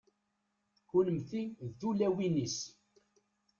kunemti d tulawin-is